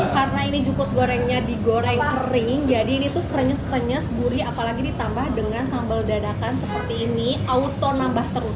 karena ini jukut gorengnya digoreng kering jadi ini tuh krenyes krenyes gurih apalagi ditambah dengan sambal dadakan seperti ini auto nambah terus